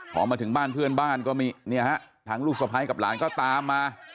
พอมาถึงบ้านเพื่อนบ้านก็มีเนี่ยฮะทางลูกสะพ้ายกับหลานก็ตามมา